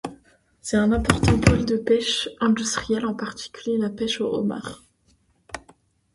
C'est un important pôle de pêche industrielle, en particulier la pêche au homard.